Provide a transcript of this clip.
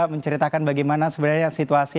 menceritakan bagaimana sebenarnya situasi